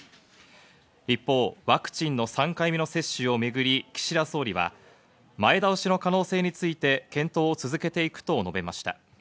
一方、ワクチンの３回目の接種をめぐり岸田総理は、前倒しの可能性について検討を続けていくと述べました。